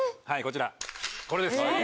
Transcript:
はいこちらこれです。